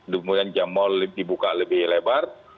kemudian jam mal dibuka lebih lebar